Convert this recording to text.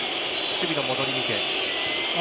守備の戻りを見て。